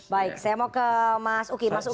baik saya mau ke mas uki